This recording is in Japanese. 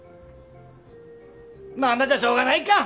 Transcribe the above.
なんだじゃあしょうがないか！